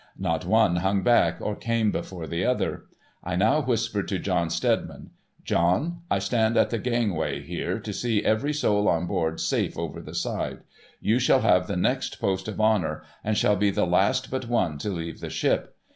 Not one hung back, or came before the other. I now whispered to John Steadiman, ' John, I stand at the gangway here, to see every soul on board safe over the side. You shall have the next post of honour, and shall be the last but one to leave the ship.